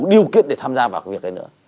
điều kiện để tham gia vào cái việc ấy nữa